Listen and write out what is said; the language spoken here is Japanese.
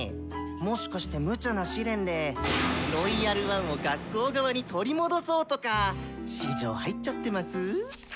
もしかしてムチャな試練で「ロイヤル・ワン」を学校側に取り戻そうとか私情入っちゃってます？